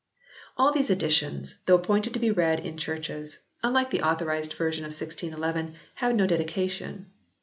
All these editions, though appointed to be read in churches, unlike the Authorised Version of 1611 have no dedication.